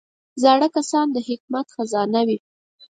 زاړه کسان د حکمت خزانه وي